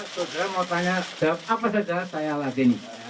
sudah mau tanya jawab apa saja saya lagi